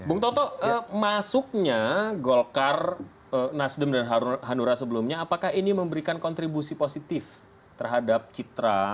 bung toto masuknya golkar nasdem dan hanura sebelumnya apakah ini memberikan kontribusi positif terhadap citra